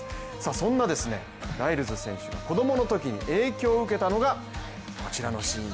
そんなライルズ選手子供のときに影響を受けたのがこちらのシーン。